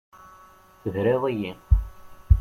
Tebriḍ-iyi.